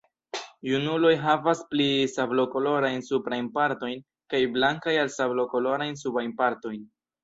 Junuloj havas pli sablokolorajn suprajn partojn kaj blankajn al sablokolorajn subajn partojn.